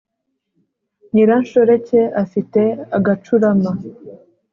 Nyiranshoreke afite agacurama.